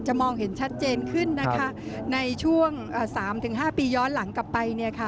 จะมองเห็นชัดเจนขึ้นในช่วง๓๕ปีย้อนหลังกลับไป